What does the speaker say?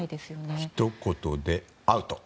ひと言で、アウト。